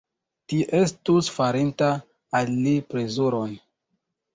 Tio estus farinta al li plezuron.